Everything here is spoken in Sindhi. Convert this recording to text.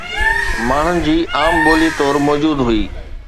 ماڻهن جي عام ٻولي طور موجود هئي